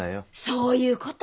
そういうこと。